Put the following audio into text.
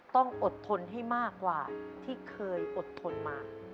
ต้องอดทนให้มากกว่าที่เคยอดทนมา